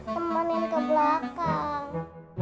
temenin ke belakang